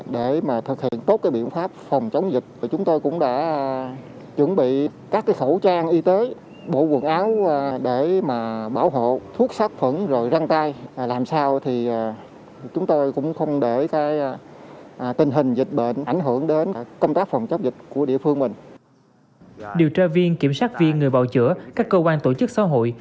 điều tra viên kiểm soát viên người bảo chữa các cơ quan tổ chức xã hội